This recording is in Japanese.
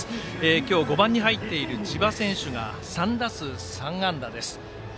今日、５番に入っている千葉選手が３打数３安打です。